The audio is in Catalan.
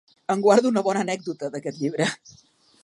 En guardo una bona anècdota d’aquest llibre.